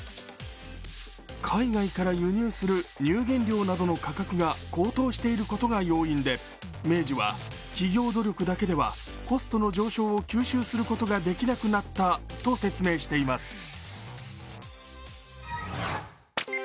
海外から輸入する乳原料などの価格が高騰していることが要因で明治は企業努力だけではコストの上昇を吸収することができなくなったと説明しています。